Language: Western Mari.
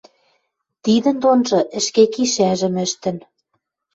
Тидӹн донжы ӹшке кишӓжӹм ӹштӹн